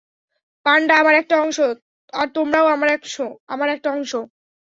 পান্ডা আমার একটা অংশ, আর তোমরাও আমার অংশ।